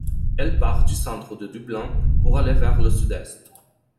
Elle part du centre de Dublin pour aller vers le sud-est.